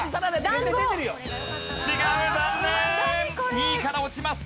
２位から落ちます。